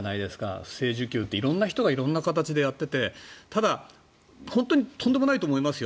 不正受給って色んな人が色んな形でやっていてただ、本当にとんでもないと思いますよ。